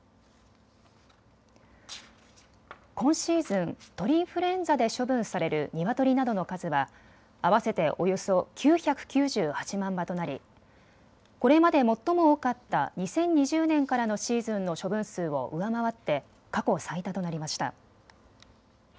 今シーズン、鳥インフルエンザで処分されるニワトリなどの数は合わせておよそ９９８万羽となりこれまで最も多かった２０２０年からのシーズンの処分数を上回って過去最多となりました。